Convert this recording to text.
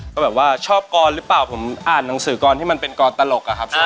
ก็แบบว่าชอบกรหรือเปล่าผมอ่านหนังสือกรที่มันเป็นกรตลกอะครับ